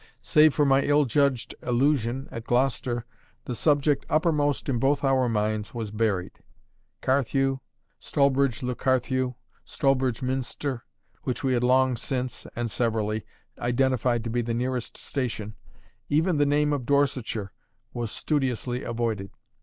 Save for my ill judged allusion at Gloucester, the subject uppermost in both our minds was buried. Carthew, Stallbridge le Carthew, Stallbridge Minster which we had long since (and severally) identified to be the nearest station even the name of Dorsetshire was studiously avoided.